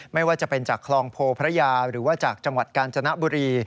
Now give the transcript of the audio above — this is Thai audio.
ไม่ว่าจะเป็นจากคลองโพพระยาหรือว่าจากจังหวัดกาญจนบุรี